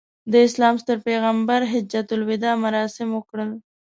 د اسلام ستر پیغمبر حجته الوداع مراسم وکړل.